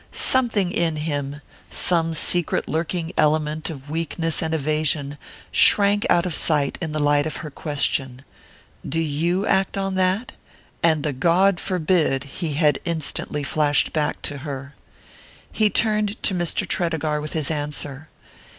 Something in him some secret lurking element of weakness and evasion shrank out of sight in the light of her question: "Do you act on that?" and the "God forbid!" he had instantly flashed back to her. He turned to Mr. Tredegar with his answer.